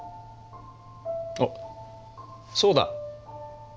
おっそうだ！